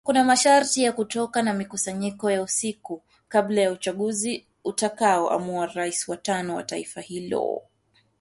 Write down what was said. kuna masharti ya kutoka na mikusanyiko ya usiku kabla ya uchaguzi utakao amua rais wa tano wa taifa hilo